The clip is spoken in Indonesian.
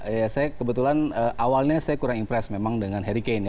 iya saya kebetulan awalnya saya kurang impressed memang dengan harry kane